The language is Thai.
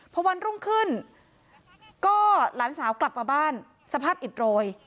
พอวันรุ่งขึ้นก็หลานสาวกลับมาบ้านสภาพอิดโรย